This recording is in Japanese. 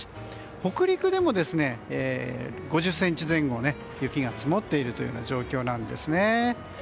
北陸でも５０ｃｍ前後、雪が積もっている状況なんですね。